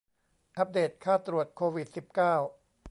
อัปเดตค่าตรวจโควิด สิบเก้า